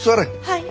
はい。